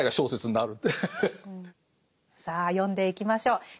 さあ読んでいきましょう。